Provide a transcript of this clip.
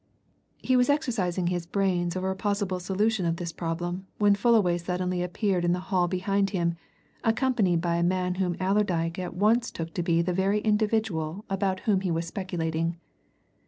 He was exercising his brains over a possible solution of this problem when Fullaway suddenly appeared in the hall behind him, accompanied by a man whom Allerdyke at once took to be the very individual about whom he was speculating.